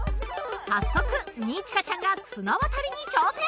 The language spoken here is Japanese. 早速二千翔ちゃんが綱渡りに挑戦！